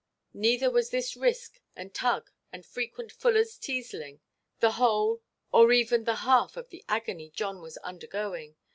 Neither was this risk and tug, and frequent fullersʼ–teaseling, the whole or even the half of the agony John was undergoing.